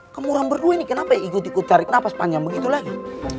kamu orang berdua ini kenapa ikut ikut tarik napas panjang begitu lagi